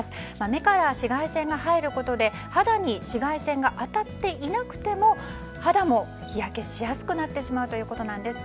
目から紫外線が入ることで肌に紫外線が当たっていなくても肌も日焼けしやすくなってしまうということです。